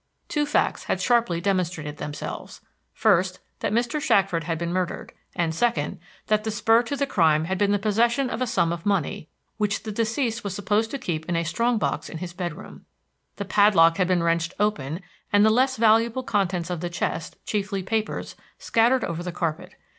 Two facts had sharply demonstrated themselves: first, that Mr. Shackford had been murdered; and, second, that the spur to the crime had been the possession of a sum of money, which the deceased was supposed to keep in a strong box in his bedroom. The padlock had been wrenched open, and the less valuable contents of the chest, chiefly papers, scattered over the carpet.